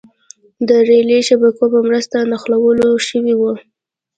د رېلي شبکو په مرسته نښلول شوې وه.